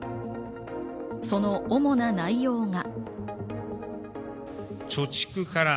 その主な内容が。